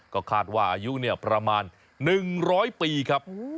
ก็คาดว่าอายุประมาณ๑๐๐ปีครับ